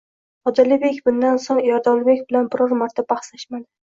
Odilbek bundan so'ng Erdolbek bilan biror marta bahslashmadi.